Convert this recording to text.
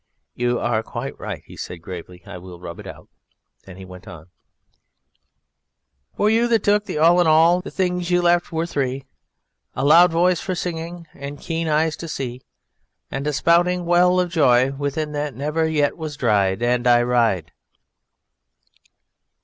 "You are quite right," he said gravely, "I will rub it out." Then he went on: _For you that took the all in all, the things you left were three: A loud Voice for singing, and keen Eyes to see, And a spouting Well of Joy within that never yet was dried! And I ride!